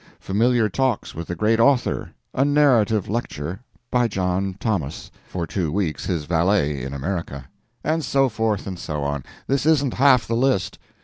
"Familiar Talks with the Great Author." A narrative lecture. By John Thomas, for two weeks his valet in America. And so forth, and so on. This isn't half the list.